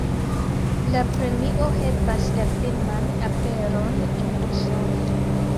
La premio helpas la filman aperon en Usono.